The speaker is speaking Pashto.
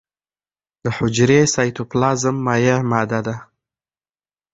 د حجرې سایتوپلازم مایع ماده ده